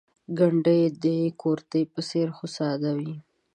ګنډۍ د کورتۍ په څېر خو ساده وي.